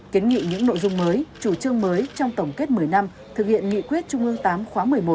kiến nghị những nội dung mới chủ trương mới trong tổng kết một mươi năm thực hiện nghị quyết trung ương tám khóa một mươi một